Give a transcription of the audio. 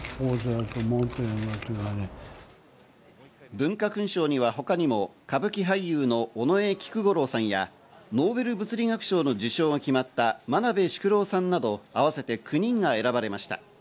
文化勲章には他にも歌舞伎俳優の尾上菊五郎さんや、ノーベル物理学賞の受賞が決まった真鍋淑郎さんなど合わせて９人が選ばれました。